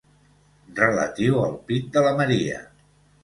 Relatiu al pit de la Maria.